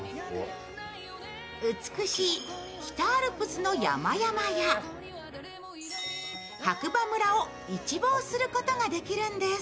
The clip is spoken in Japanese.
美しい北アルプスの山々や白馬村を一望することができるんです。